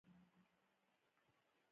شتمن خلک د بل محتاج زړه نه ماتوي.